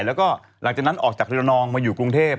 แล้วก็หลังจากนั้นออกจากเรือนองมาอยู่กรุงเทพ